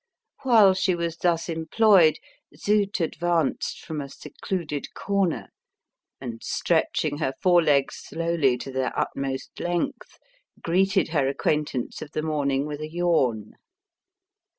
While she was thus employed Zut advanced from a secluded corner, and, stretching her fore legs slowly to their utmost length, greeted her acquaintance of the morning with a yawn.